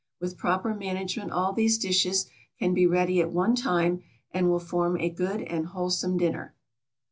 With proper management all these dishes can be ready at one time, and will form a good and wholesome dinner.